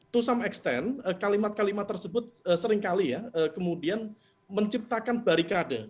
to some extent kalimat kalimat tersebut seringkali ya kemudian menciptakan barikade